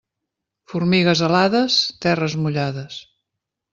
Formigues alades, terres mullades.